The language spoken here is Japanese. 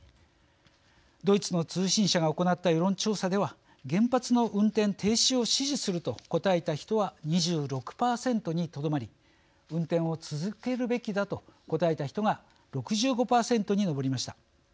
ドイツの通信社が行った世論調査では原発の運転停止を支持すると答えた人は２６％にとどまり運転を続けるべきだと答えた人が６５％に上りました。